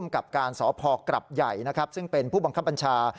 กับการสพกรับใหญ่นะครับซึ่งเป็นผู้บังคับบัญชา